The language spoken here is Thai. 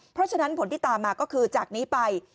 เพราะฉะนั้นผลที่ตามมาก็คือจากนี้ไป